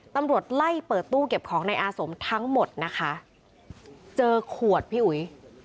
ตำรวจไล่เปิดตู้เก็บของในอาสมทั้งหมดนะคะเจอขวดพี่อุ๋ย